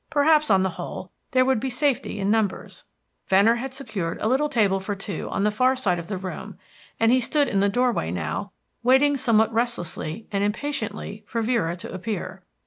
Perhaps, on the whole, there would be safety in numbers. Venner had secured a little table for two on the far side of the room, and he stood in the doorway now, waiting somewhat restlessly and impatiently for Vera to appear.